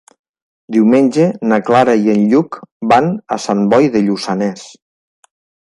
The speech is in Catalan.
Diumenge na Clara i en Lluc van a Sant Boi de Lluçanès.